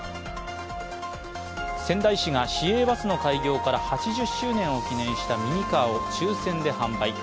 仙台市が市営バスの開業から８０周年を記念したミニカーを抽選で販売。